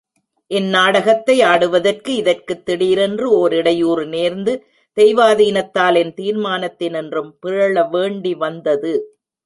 இந்நாடகத்தை ஆடுவதற்கு இதற்குத் திடீரென்று ஓர் இடையூறு நேர்ந்து, தெய்வாதீனத்தால், என் தீர்மானத்தினின்றும் பிறழவேண்டி வந்தது.